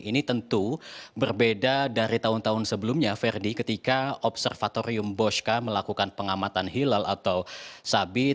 ini tentu berbeda dari tahun tahun sebelumnya verdi ketika observatorium bosca melakukan pengamatan hilal atau sabit